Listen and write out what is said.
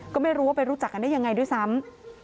ก็ไม่รู้ว่าไปรู้จักกันได้ยังไงด้วยซ้ำ